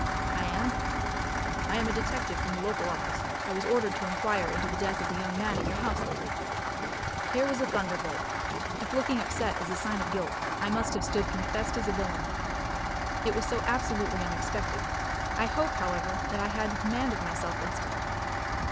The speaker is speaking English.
"I am." "I am a detective from the local office. I was ordered to inquire into the death of the young man in your house lately." Here was a thunderbolt! If looking upset is a sign of guilt, I must have stood confessed as a villain. It was so absolutely unexpected. I hope, however, that I had command of myself instantly.